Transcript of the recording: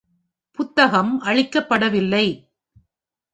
புத்தகம் அழிக்கப்படவில்லை.